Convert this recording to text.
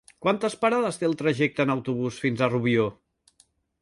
Quantes parades té el trajecte en autobús fins a Rubió?